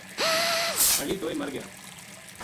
ہالی دوئے مرگیا